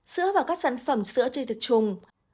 sữa và các sản phẩm sữa chơi thật trùng